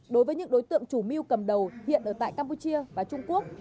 đối với những đối tượng chủ mưu cầm đầu hiện ở tại campuchia và trung quốc